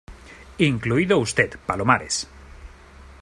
incluido usted, Palomares.